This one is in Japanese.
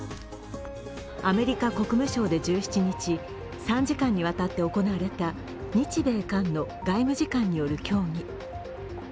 アメリカ国務省で１７日、３時間にわたって行われた日米韓の外務次官による協議。